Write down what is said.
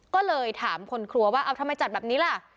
ก็เลยถามคนครัวว่าเอาทำไมจัดแบบนี้ล่ะ